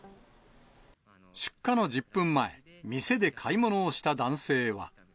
出火の１０分前、店で買い物をした男性は。